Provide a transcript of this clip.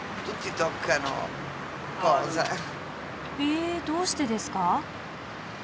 えどうしてですか？